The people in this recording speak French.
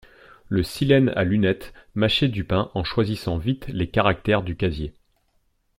Le Silène à lunettes mâchait du pain en choisissant vite les caractères du casier.